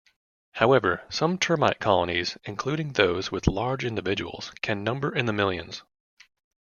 However, some termite colonies, including those with large individuals, can number in the millions.